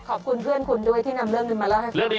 ขอบคุณเพื่อนคุณด้วยที่นำเรื่องนี้มาเล่าให้ฟัง